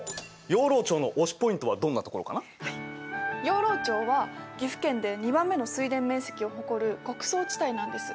養老町は岐阜県で２番目の水田面積を誇る穀倉地帯なんです。